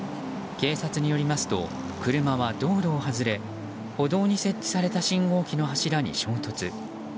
警察によりますと車は道路を外れ歩道に設置された信号機の柱に衝突。